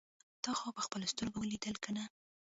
تا خو په خپلو سترګو اوليدل کنه.